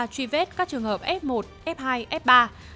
truy vết các trường hợp f một f hai f ba